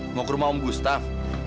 mau ke rumah om gustaf